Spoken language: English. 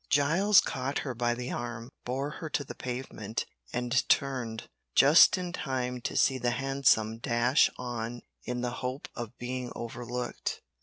Giles caught her by the arm, bore her to the pavement, and turned, just in time to see the hansom dash on in the hope of being overlooked.